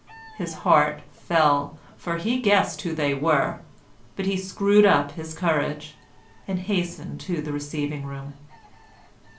His heart fell, for he guessed who they were, but he screwed up his courage and hastened to the receiving room.